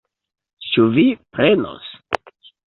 Ĉu vi prenos?